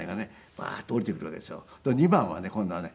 ２番はね今度はね